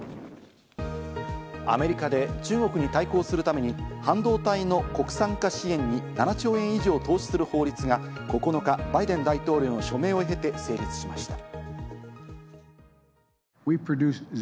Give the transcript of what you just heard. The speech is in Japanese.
アメリカで中国に対抗するために半導体の国産化支援に７兆円以上を投資する法律が９日、バイデン大統領の署名を経て成立しました。